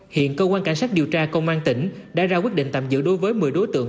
hiện cơ quan cảnh sát điều tra công an tỉnh đã ra quyết định tạm giữ đối với một mươi đối tượng